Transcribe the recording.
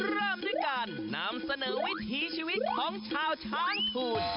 เริ่มด้วยการนำเสนอวิถีชีวิตของชาวช้างทูล